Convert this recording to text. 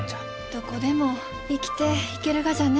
どこでも生きていけるがじゃね。